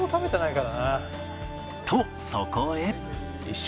とそこへ